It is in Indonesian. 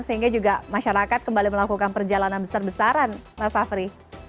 sehingga juga masyarakat kembali melakukan perjalanan besar besaran mas afri